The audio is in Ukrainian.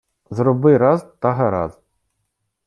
Зроби раз, та гаразд!